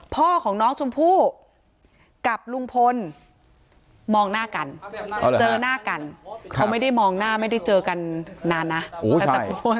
พ่อของน้องชมพู่กับลุงพลมองหน้ากันเจอหน้ากันเขาไม่ได้มองหน้าไม่ได้เจอกันนานนะ